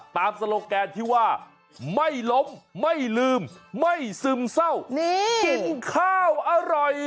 โซโลแกนที่ว่าไม่ล้มไม่ลืมไม่ซึมเศร้ากินข้าวอร่อย